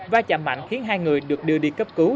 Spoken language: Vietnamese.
va chạm mạnh khiến hai người được đưa đi cấp cứu